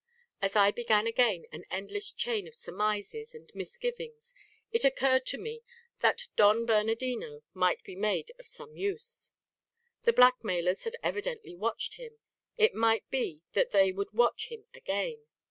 As I began again an endless chain of surmises and misgivings, it occurred to me that Don Bernardino might be made of some use. The blackmailers had evidently watched him; it might be that they would watch him again.